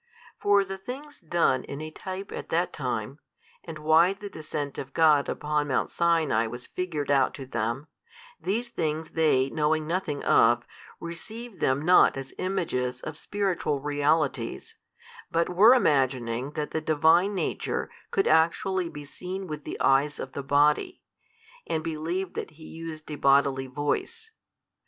For the things done in a type at that time, and why the descent of God upon Mount Sinai was figured out to them, these things they knowing nothing of, received them not as images of spiritual realities, but were imagining that the Divine Nature could actually be seen with the eyes of the body, and believed that He used a bodily voice.